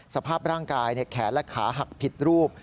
สภาพร่างกายแขนและขาหักผิดรูป